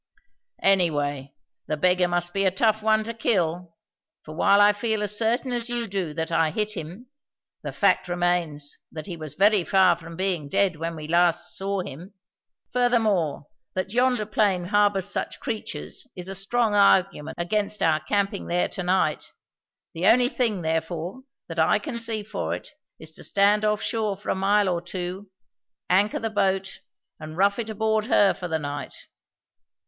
"Anyway, the beggar must be a tough one to kill; for while I feel as certain as you do that I hit him, the fact remains that he was very far from being dead when we last saw him; furthermore, that yonder plain harbours such creatures is a strong argument against our camping there to night; the only thing, therefore, that I can see for it is to stand off shore for a mile or two, anchor the boat, and rough it aboard her for the night."